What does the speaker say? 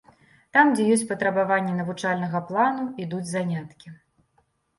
Там, дзе ёсць патрабаванні навучальнага плану, ідуць заняткі.